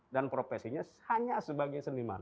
dan profesinya hanya sebagai seniman